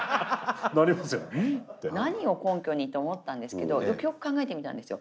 何を根拠にと思ったんですけどよくよく考えてみたんですよ。